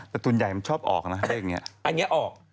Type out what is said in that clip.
แต่ส่วนใหญ่มันชอบออกนะอันเนี่ยออก